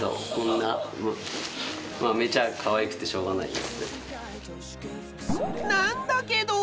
めちゃかわいくてしょうがないですね。